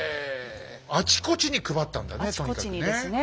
あちこちに配ったんだねとにかくね。